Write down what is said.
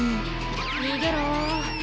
逃げろ。